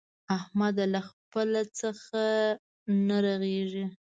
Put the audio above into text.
احمده! له خپله څخه نه رغېږي.